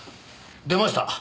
出ました。